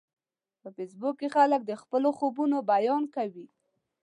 په فېسبوک کې خلک د خپلو خوبونو بیان کوي